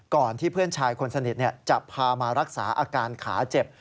ก่อนที่เพื่อนชายคนสนิทจะพามารักษาอาการขาเจ็บ